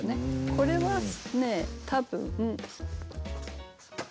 これはね多分。